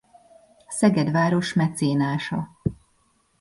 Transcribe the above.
Szeged város mecénása.